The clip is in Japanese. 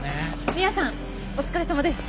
ミアさんお疲れさまです。